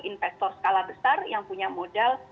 investor skala besar yang punya modal